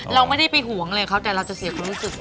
เราไม่ได้ไปห่วงอะไรเขาแต่เราจะเสียความรู้สึก